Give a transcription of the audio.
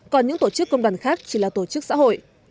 còn những tổ chức công đoàn khác chỉ là tổ chức xã hội